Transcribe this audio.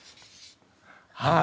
はい。